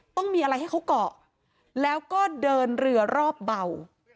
ต้องมีอะไรให้เขาเกาะแล้วก็เดินเรือรอบเบา